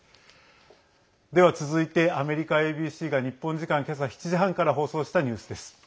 では続いてアメリカＡＢＣが日本時間、今朝７時半から放送したニュースです。